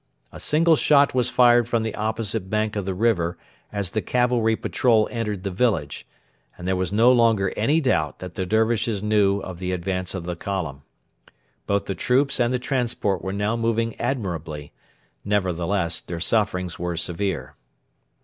A single shot was fired from the opposite bank of the river as the cavalry patrol entered the village; and there was no longer any doubt that the Dervishes knew of the advance of the column. Both the troops and the transport were now moving admirably; nevertheless, their sufferings were severe.